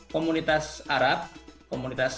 komunitas arab komunitas